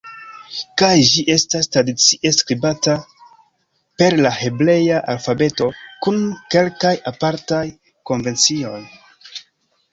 Kaj ĝi estas tradicie skribata per la hebrea alfabeto, kun kelkaj apartaj konvencioj.